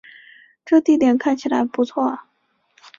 这地点看起来不错啊